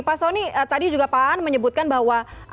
pak soni tadi juga pak an menyebutkan bahwa